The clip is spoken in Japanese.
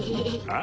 あ！